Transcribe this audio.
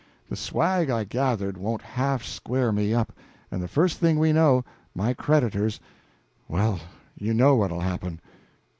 The swag I gathered won't half square me up, and the first thing we know, my creditors well, you know what'll happen."